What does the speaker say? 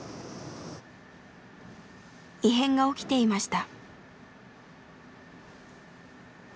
異変が起きていました。